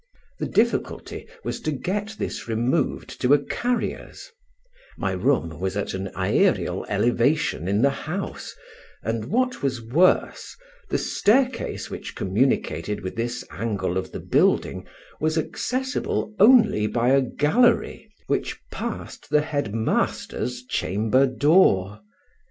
The difficulty was to get this removed to a carrier's: my room was at an aërial elevation in the house, and (what was worse) the staircase which communicated with this angle of the building was accessible only by a gallery, which passed the head master's chamber door.